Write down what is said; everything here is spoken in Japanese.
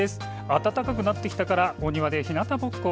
暖かくなってきたからお庭で日向ぼっこ。